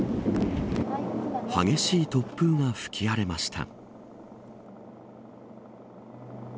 激しい突風が吹き荒れました。